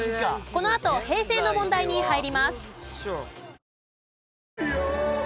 このあと平成の問題に入ります。